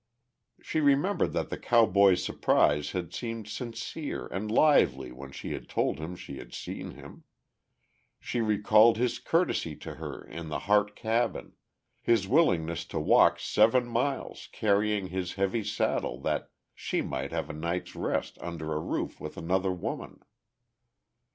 She remembered that the cowboy's surprise had seemed sincere and lively when she had told him she had seen him; she recalled his courtesy to her in the Harte cabin, his willingness to walk seven miles carrying his heavy saddle that she might have a night's rest under a roof with another woman.